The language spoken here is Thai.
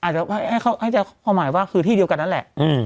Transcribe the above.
ให้ใช้ความหมายว่าที่เดียวกันนั่นแหละ